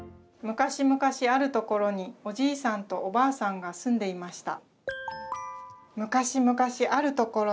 昔々あるところにおじいさんとおばあさんが住んでいました。